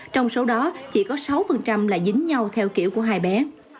trong số đó chỉ có sáu là dính nhau theo kiểu của hai bé